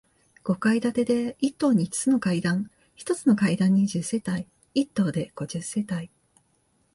五階建てで、一棟に五つの階段、一つの階段に十世帯、一棟で五十世帯。